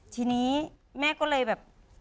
ทีนี้แม่ก็เลยแบบ